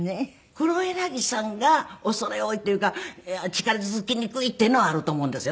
黒柳さんが恐れ多いっていうか近づきにくいっていうのはあると思うんですよ